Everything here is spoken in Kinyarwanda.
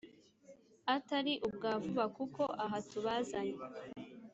atari ubwa vuba kuko aha tubazanye